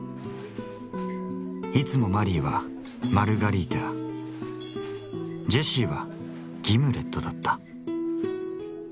いつもマリィはマルガリータジェシィはギムレットだった。